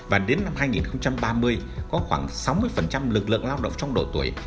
và đến năm hai nghìn ba mươi có khoảng sáu mươi lực lượng lao động trong độ tuổi